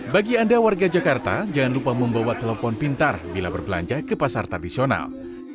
bagi anda warga jakarta jangan lupa membawa telepon pintar bila berbelanja ke pasar tradisional